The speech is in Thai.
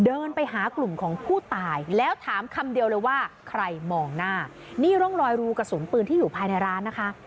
เดินไปหากลุ่มของผู้ตายแล้วถามคำเดียวเลยว่าใครมองหน้านี่ร่องรอยรูกระสุนปืนที่อยู่ภายในร้านนะคะ